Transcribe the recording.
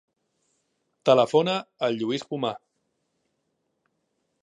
Telefona al Lluís Pomar.